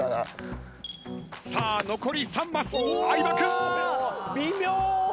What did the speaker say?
残り３マス相葉君。